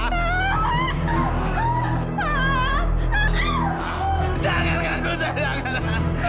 mas dianggap aku serangan